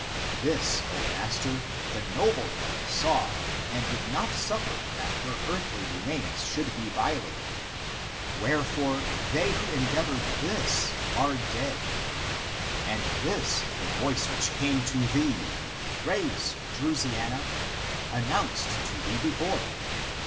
This, O master, the noble one saw and did not suffer that her earthly remains should be violated, wherefore they who endeavored this are dead. And this the voice which came to thee, Raise Drusiana ! announced to thee before.